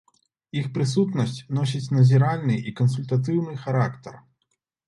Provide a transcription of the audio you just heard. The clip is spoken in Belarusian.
Іх прысутнасць носіць назіральны і кансультатыўны характар.